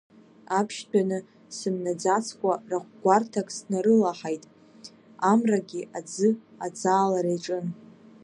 Аԥшьдәаны сымнаӡацкәа рахә гәарҭак снарылаҳаит, амрагьы аӡы аӡаалара иаҿын.